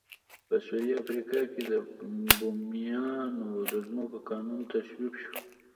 په سوېلي افریقا کې د بومیانو د ځمکو قانون تصویب شو.